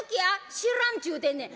「知らんちゅうてんねん」。